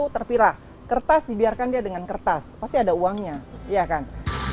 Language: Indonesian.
sebuah perguruan tinggi negeri di bandar aceh tak jauh dari desa blangkrung